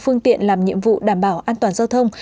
phương tiện làm nhiệm vụ đảm bảo an toàn giao thông